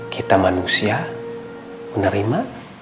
kita manusia menerima